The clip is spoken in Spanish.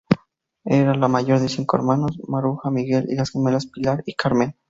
Era la mayor de cinco hermanos: Maruja, Miguel y las gemelas Pilar y Carmen.